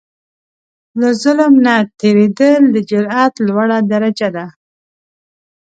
له ظلم نه تېرېدل، د جرئت لوړه درجه ده.